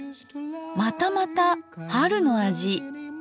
またまた春の味。